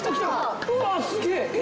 うわすげえ。